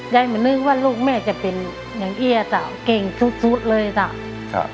ไม่นึกว่าลูกแม่จะเป็นอย่างเอี้ยจ้ะเก่งสุดสุดเลยจ้ะครับ